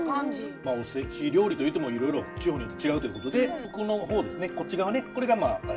まあおせち料理と言うてもいろいろ地方によって違うということでこのこっち側ねこれがまあ大阪の料理ですね。